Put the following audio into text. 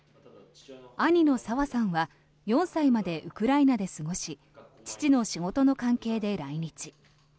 兄のサワさんは４歳までウクライナで過ごし父の仕事の関係で来日。